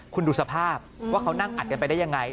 คุณดูสภาพว่าเขานั่งอัดกันไปได้ยังไง